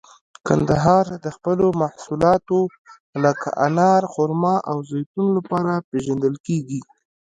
کندهار د خپلو محصولاتو لکه انار، خرما او زیتون لپاره پیژندل کیږي.